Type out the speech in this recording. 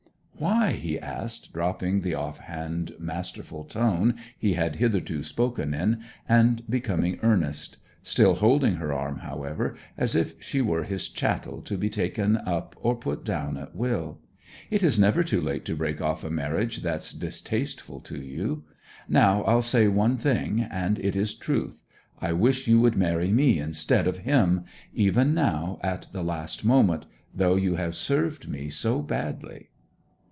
'Why?' he asked, dropping the off hand masterful tone he had hitherto spoken in, and becoming earnest; still holding her arm, however, as if she were his chattel to be taken up or put down at will. 'It is never too late to break off a marriage that's distasteful to you. Now I'll say one thing; and it is truth: I wish you would marry me instead of him, even now, at the last moment, though you have served me so badly.'